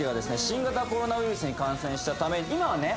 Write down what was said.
新型コロナウイルスに感染したため今はね